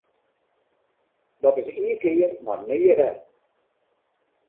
Dat is ien kear mar nea wer!